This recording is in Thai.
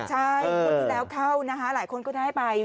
ใช่งวดที่แล้วเข้านะคะหลายคนก็ได้ไป